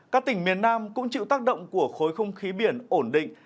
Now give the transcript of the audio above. các tỉnh miền nam cũng chịu tác động của khối không khí biển ổn định